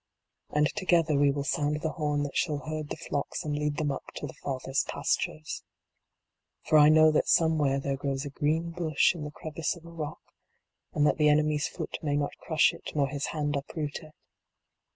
And together we will sound the horn that shall herd the flocks and lead them up to the Father s pastures. For I know that somewhere there grows a green bush in the crevice of a rock, and that the enemy s foot may not crush it nor his hand uproot it.